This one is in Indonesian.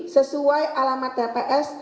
sesuai alamat tps